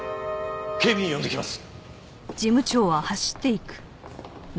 警備員呼んできます！